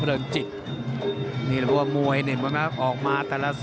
ครับครับครับครับครับครับครับครับครับ